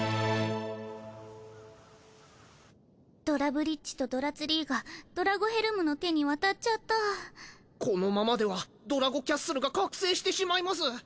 ドラブリッジとドラツリーがドラゴヘルムの手に渡っちゃったこのままではドラゴキャッスルが覚醒してしまいます！